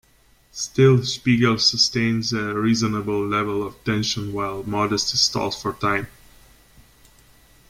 Still, Spiegel sustains a reasonable level of tension while Modesty stalls for time.